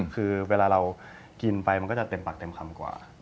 คือเวลาเรากินไปมันก็จะเต็มปากเต็มคำกว่า